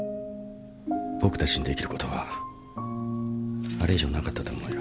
僕たちにできることはあれ以上なかったと思うよ。